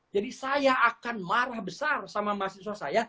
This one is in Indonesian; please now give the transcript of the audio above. jadi saya akan marah besar sama mahasiswa saya